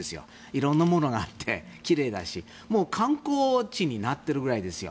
色んなものがあって奇麗だし観光地になってるくらいですよ。